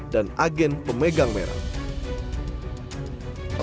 dan agen pemegang merak